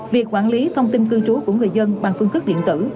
việc quản lý thông tin cư trú của người dân bằng phương thức điện tử